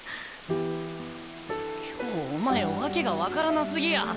今日はお前訳が分からなすぎや。